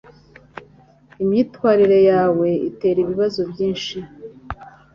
Imyitwarire yawe itera ibibazo byinshi